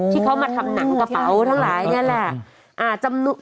ที่เขามาทำหนังกระเป๋าทั้งหลายนี่แหละ